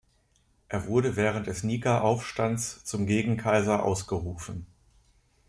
Er wurde während des Nika-Aufstands zum Gegenkaiser ausgerufen.